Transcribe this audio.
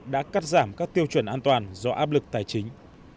đã cắt giảm các tiêu chuẩn an toàn do áp lực tài chính